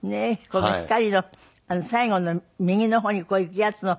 この「光」の最後の右の方にこういうやつの。